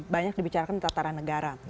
banyak dibicarakan di tataran negara